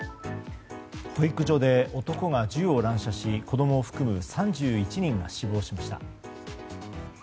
保育所で男が銃を乱射し子供を含む３１人が死亡しました。